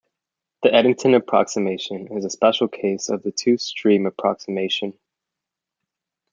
The Eddington approximation is a special case of the two stream approximation.